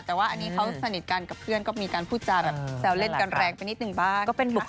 แต่ว่าอันนี้เขาสนิทกันกับเพื่อนก็มีการพูดจาแบบแซวเล่นกันแรงไปนิดนึงบ้าง